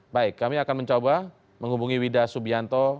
baik kami akan mencoba menghubungi wida subianto